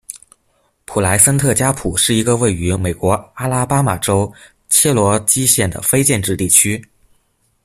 普莱森特加普是一个位于美国阿拉巴马州切罗基县的非建制地区。